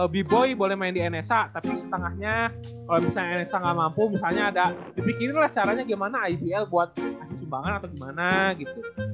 beboy boleh main di nsa tapi setengahnya kalau misalnya nsa nggak mampu misalnya ada dipikirin lah caranya gimana ibl buat ngasih sumbangan atau gimana gitu